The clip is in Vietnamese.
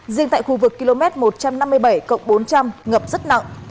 riêng tại khu vực km một trăm năm mươi bảy cộng bốn trăm linh ngập rất nặng